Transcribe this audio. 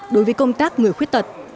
đối với công tác người khuyết tật